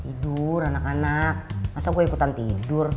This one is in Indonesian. tidur anak anak masa gue ikutan tidur